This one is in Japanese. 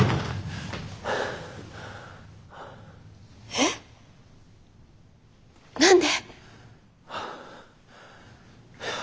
えっ？何で？